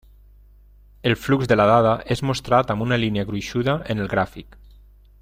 El flux de la dada és mostrat amb una línia gruixuda en el gràfic.